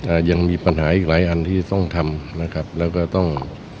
ยังมีปัญหาอีกหลายอันที่ต้องทำนะครับแล้วก็ต้อง